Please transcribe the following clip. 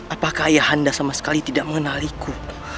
apakah ayah anda sama sekali tidak mengenaliku